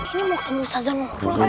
ini mau ketemu ustazah mau ngurul